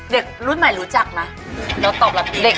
เด็กรุ่นใหม่รู้จักไหมแล้วตอบรับดี